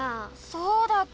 そうだっけ？